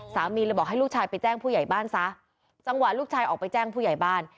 สามีเลยบอกให้ลูกชายไปแจ้งผู้ใหญ่บ้านซะจังหวะลูกชายออกไปแจ้งผู้ใหญ่บ้าน